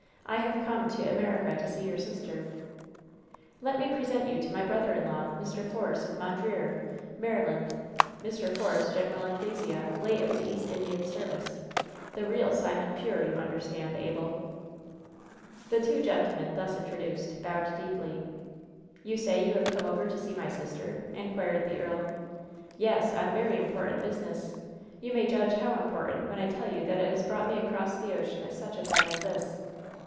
"I have come to America to see your sister." 4 . r ■\ WHEN SHADOWS DIE 235 "Let me present you to my brother in law — ^Mr. Force, of Mondreer, Maryland. Mr. Force — Gen. An ^lesea, late of the East Indian service — ^the real Simon Pure, you understand, Abel !" The two gentlemen, thus introduced, bowed deeply. "You say you have come over to see my sister ?" in quired the earl. "Yes ! On very important business ! You may judge how important when I tell you that it has brought me across the ocean at such a time as this."